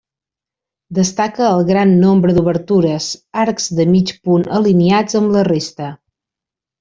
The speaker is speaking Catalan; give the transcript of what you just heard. Destaca el gran nombre d'obertures, arcs de mig punt alineats amb la resta.